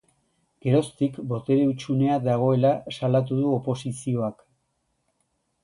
Geroztik, botere hutsunea dagoela salatu du oposizioak.